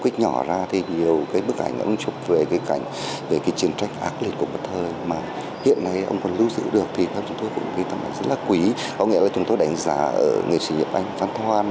tấm ảnh rất là quý có nghĩa là chúng tôi đánh giá ở nghệ sĩ nhật anh phan thoan